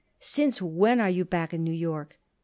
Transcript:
Since when are you back in New York?"